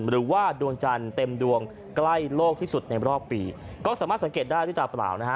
หรือว่าดวงจันทร์เต็มดวงใกล้โลกที่สุดในรอบปีก็สามารถสังเกตได้หรือเปล่านะฮะ